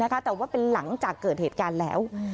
แต่ว่าเป็นหลังจากเกิดเหตุการณ์แล้ว